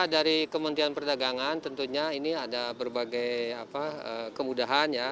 dari kementerian perdagangan tentunya ini ada berbagai kemudahan ya